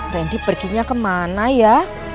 randy perginya kemana ya